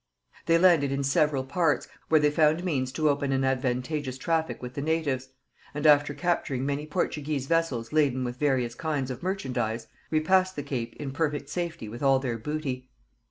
They landed in several parts, where they found means to open an advantageous traffic with the natives; and, after capturing many Portuguese vessels laden with various kinds of merchandise, repassed the Cape in perfect safety with all their booty.